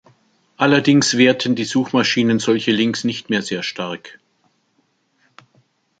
Allerdings werten die Suchmaschinen solche Links nicht mehr sehr stark.